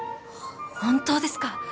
本当ですか？